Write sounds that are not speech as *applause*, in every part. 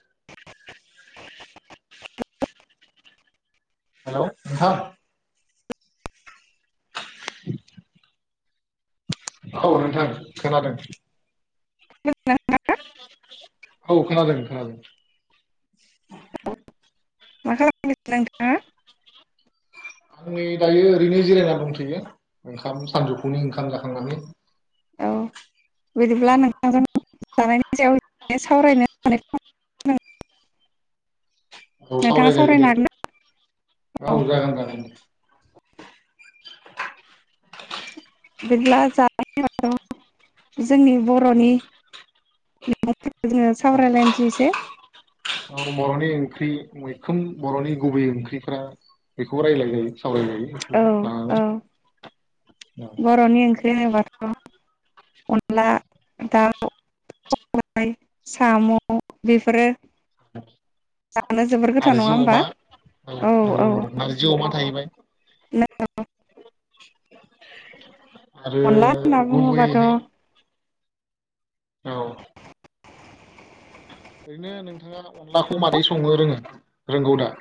*inaudible* हेल' नोंथां। औ नोंथां खोनादों। *unintelligible* औ खोनादों खोनादों मा खालाम गासिनो नोंथाङा? आं नै दायो ओरैनो जिरायनानै दंथ'यो ओंखाम सानजौफुनि ओंखाम जाखांनानै। औ बिदिब्ला नोंथांजों जानायनि सायाव सावरायनो *unintelligible* औ नोंथाङा सावराय जायो सावरायनो दे हागोन ना? औ औ जागोन जागोन दे बिदिब्ला जानायाथ' जोंनि बर'नि जोङो सावरायलायनोसै एसे। औ बर'नि ओंख्रि मैखोम बर'नि गुबै ओंख्रिफ्रा बेखौ रायज्लाय जायो। औ औ औ बर'नि ओंख्रि होनोबाथ' अनला दाउ सबाय साम' बेफोरो जानो जोबोर गोथाव नङा नारजि होमबा अमा औ नंगौ नंगौ नारजि अमा थाहैबाय। *inaudible* नोंगौ। *unintelligible* अनला होनना बुङोबाथ' गुबैयै औ। ओरैनो नोंथाङा अनलाखौ मादै सङो रोङो रोंगौ दा?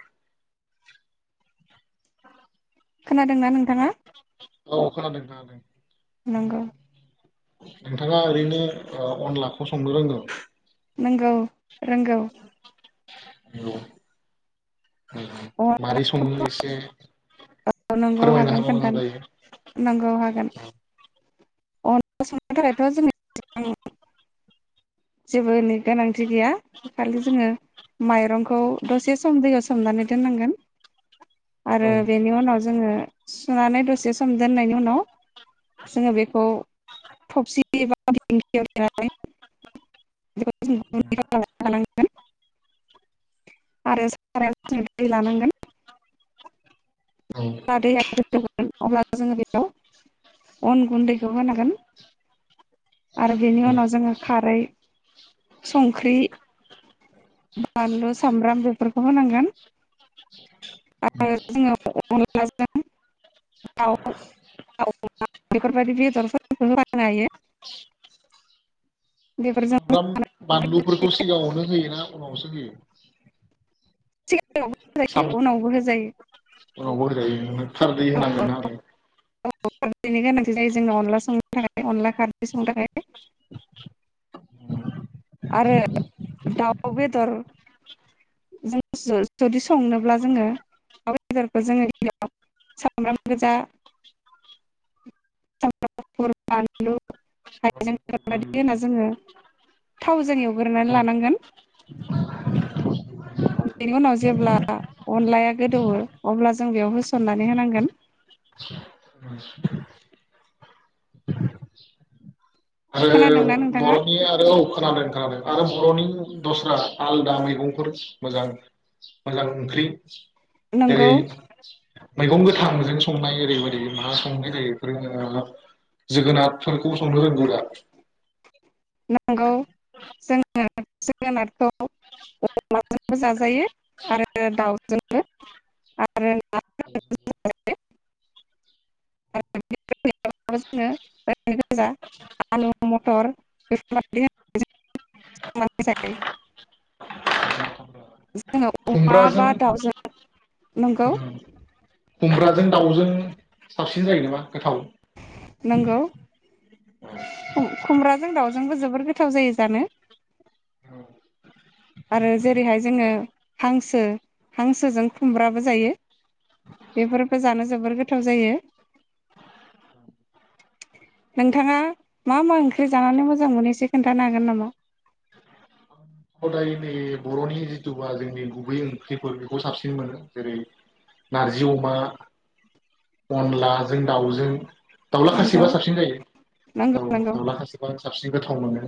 खोनादोंना नोंथाङा? औ खोनादों नोंथाङालाय? नोंगौ। नोंथाङा ओरैनो ओ अनलाखौ संनो रोंगौ? नोंगौ रोंगौ। ओऔ मारै सङो एसे औ नोंगौ फोरमायनो हागोन हाबा मोजां खोनथानो जायो। नंगौ हागोन। अनला संनो थाखायथ' जों *unintelligible* जेबो गोनांथि गैया खालि जोङो माइरंखौ दसे सम दैयाव सोमनानै दोननांगोन। औ आरो उनाव जोङो सुनानै दसे सम दोननायनि उनाव जोङो बेखौ थबसि एबा दिंखियाव देनानै *unintelligible* आरो साराइयाव जोङो दै लानांगोन। औ अब्ला दैया गोदौगोन अब्ला जोङो बेयाव अन गुन्दैखौ होनांगोन आरो बेनि उनाव जोङो खारै संख्रि बानलु सामब्राम बेफोरखौ होनांगोन आरो जोङो अनलाजों दाउ अमा बेफोरबायदि बेदरफोरखौ होफानो हायो। बेफोरजों सामब्राम बानलुफोरखौ सिगाङावनो होयोना उनावसो होयो? सिगाङाव बो होजायो उनावबो होजायो। औ होग्रो जायोना। खारदै होनांगोन आरो। औ खारदैनि गोनांथि जायो जोंनाव अनला संनो थाखाय अनला खारदै संनो थाखाय। आरो दाउ बेदर। जों जु जुदि संनोब्ला जोङो दाउ बेदरखौ जोङो गिबियाव सामब्राम गोजा सामब्राम गुफुर बानलु हायजें बेफोरबायदि होना बानलुजों जोङो थावजों एवगोरनानै लानांगोन। बेनि उनाव जेब्ला अनलाया गोदौवो अब्ला जों बेयाव होसननानै होनांगोन। आरो खोनादोंना नोंथाङा बर'नि आरो औ खोनादों खोनादों। आरो बर'नि दस्रा आलदा मैगंफोर मोजां मोजां ओंख्रि। नंगौ जेरै। मैगं गोथांजों संनाय ओरैबायदि मा संनाय जायो बेफोरो ओ जोगोनारफोरखौ संनो रोंगौ दा? *inaudible* नोंगौ जोङो। जोगोनारखौ अमाजोंबो जाजायो आरो दाउजोंबो आरो ना‌ बेदर जोंबो जाजायो। *unintelligible* *unintelligible* *unintelligible* *unintelligible* जोङो अमा खुमब्राजों बा दाउजों नंगौ खुमब्राजों दाउजों साबसिन जायो नामा गोथाव नंगौ खुमब्रा *unintelligible* जों दाउजोंबो जोबोर गोथाव जायो जानो औ आरो जेरैहाय जोङो हांसो हांसोजों खुमब्राबो जायो बेफोरफोरखौ जानो जोबोर गोथाव जायो नोंथाङा मा मा ओंख्रि जानानै मोजां मोनो एसे खोन्थानो हागोन नामा हदाय नै बर'नि जिथुबा जोंनि गुबै ओंख्रिफोर बेखौ साबसिन मोनो जेरै नारजि अमा अनलाजों दाउजों दाउला नंगौ खासिबा साबसिन जायो नंगौ औ नंगौ दाउला खासिबा साबसिन गोथाव मोनो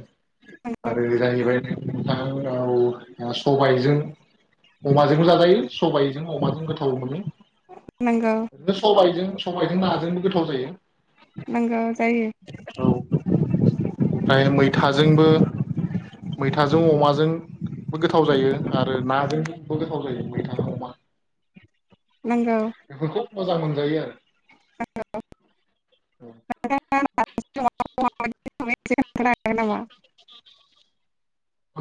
नंगौ आरो जाहैबाय *unintelligible* सबायजों अमाजों जाजायो सबायजों अमाजों गोथाव मोनो। नंगौ *unintelligible* सबायाइजों सबायजों नाजोंबो गोथाव जायो। *unintelligible* जायो *unintelligible* मैथाजोंबो मैथाजों अमाजोंबो गोथाव जायो आरो नाजोंबो गोथाव जायो मैथाजों अमा नंगौ बेफोरखौ मोजां मोनजायो आरो *unintelligible* *unintelligible*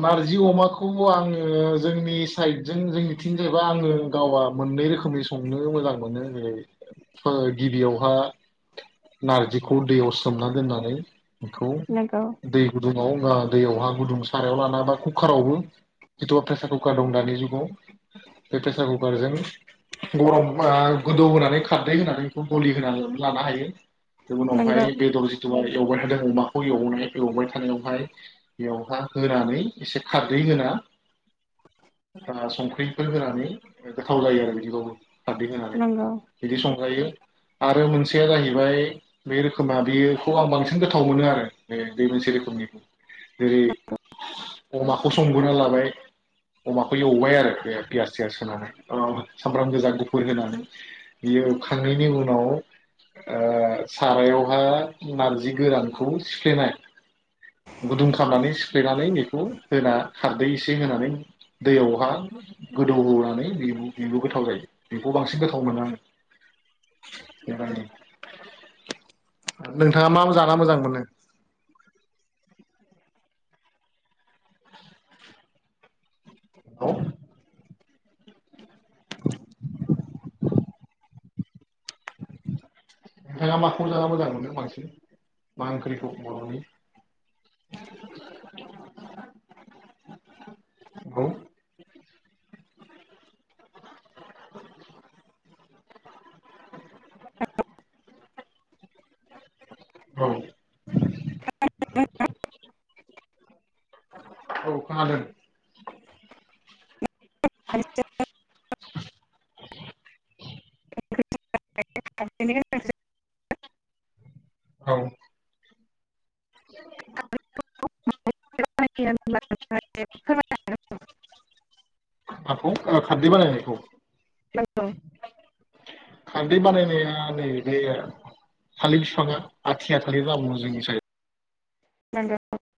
नार्जि अमाखौ आङो जोंनि साइदजों जोंनिथिं जाहैबा आङो गावा मोननै रोखोमनि संनो मोजां मोनो जै गिबियावहा नार्जिखौ दैयाव सोमना दोननानै नंगौ *unintelligible* दै गुदुं *unintelligible* सारायाव लाना बा खुखारावबो जिथु प्रेसार खुखार दं दानि जुगाव बे प्रेसार खुखारजों गरम आ गोदौ होनानै खारदै होनानै बेखौ गलि होननानै लानो हायो। उनावहाय नंगौ बेदर *unintelligible* जिथु मानि एवबाय थादों अमाखौ एवनाय एवबाय थानायावहाय बेवहा होनानै एसे खारदै होना संख्रिफोर होनानै गोथाव जायो आरो बिदिबाबो। खारदै होनानै नंगौ बिदि संजायो। आरो मोनसेया जाहैबाय बे रोखोमा बेयोखौ आं बांसिन गोथाव मोनो आरो बे बे मोनसे रोखोमनिखौ। जेरै अमाखौ संग्रोना लाबाय। अमाखौ एवबाय आरो बे पियास थियास होनानै सामब्राम गोजा, गुफुर होनानै बे एवखांनायनि उनाव ओ सारायावहा नारजि गोरानखौ सिफ्लेनाय गुदुं खालामनानै सिफ्लेनानै बेखौ होना खारदै एसे होनानै दैयावहा गोदौहोनानै बे बेबो गोथाव जायो। बेखौ बांसिन गोथाव मोनो आङो बेबायदि। नोंथाङा मा जाना मोजां मोनो? औ *unintelligible* नोंथाङा माखौ जाना मोजां मोनो बांसिन मा ओंख्रिखौ बर'नि? औ *unintelligible* औ *unintelligible* औ खानादों। *unintelligible* *unintelligible* औ *unintelligible* माखौ खारदै बानायनायखौ? खारदै बानायनाया नै बे थालिर फिफाङा आथिया थालिर दाबुंङो जोंनि सायाइ। *unintelligible*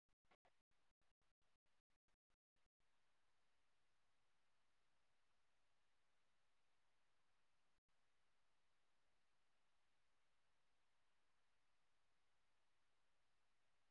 *unintelligible*